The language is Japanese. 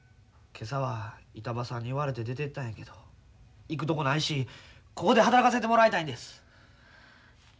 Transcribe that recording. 今朝は板場さんに言われて出てったんやけど行くとこないしここで働かせてもらいたいんです。